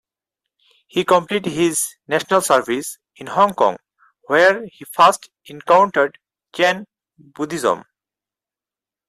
He completed his national service in Hong Kong, where he first encountered Chan Buddhism.